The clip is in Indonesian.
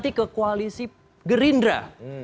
ganti ke koalisi gerindra